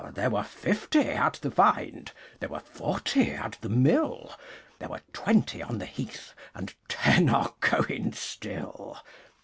There were fifty at the find, There were forty at the mill, There were twenty on the heath, And ten are going still.